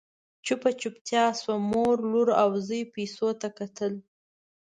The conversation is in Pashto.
چوپه چوپتيا شوه، مور، لور او زوی پيسو ته کتل…